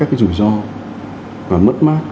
các cái rủi ro và mất mát